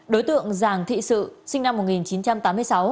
đối tượng giàng thị sự sinh năm một nghìn chín trăm tám mươi sáu